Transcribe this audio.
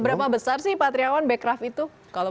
berapa besar sih pak triawan bekraf itu